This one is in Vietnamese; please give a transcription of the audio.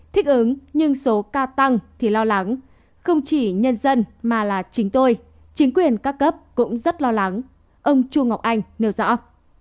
thích ứng nhưng số ca tăng thì lo lắng không chỉ nhân dân mà là chính tôi chính quyền các cấp cũng rất lo lắng ông chu ngọc anh nêu rõ